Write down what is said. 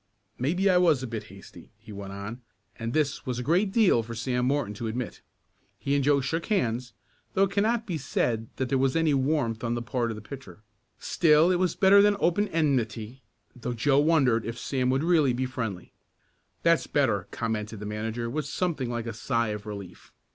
Maybe I was a bit hasty," he went on, and this was a great deal for Sam Morton to admit. He and Joe shook hands, though it cannot be said that there was any warmth on the part of the pitcher. Still it was better than open enmity, though Joe wondered if Sam would be really friendly. "That's better," commented the manager with something like a sigh of relief.